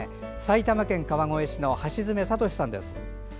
埼玉県川越市の橋爪悟司さんです。